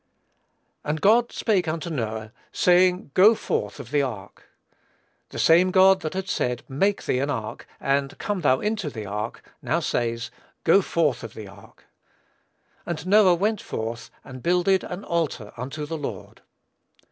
"And God spake unto Noah, saying, Go forth of the ark." The same God that had said, "Make thee an ark" and "Come thou into the ark," now says, "Go forth of the ark." "And Noah went forth ... and builded an altar unto the Lord."